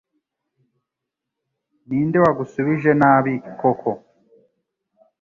Ni nde wagusubije nabi koko